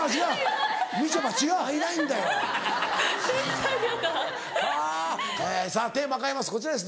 さぁテーマ変えます